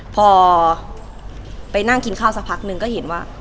พอไปนั่งกินข้าวสักพักนึงก็เห็นว่า